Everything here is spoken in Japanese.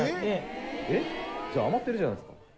えっ？じゃあ余ってるじゃないですか。